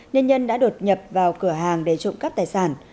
nên nhân đã đột nhập vào cửa hàng để trộm cắp tài sản